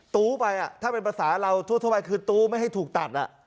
ทุไปถ้าเป็นภาษาเราทั่วคือทุไม่ให้ถูกตัด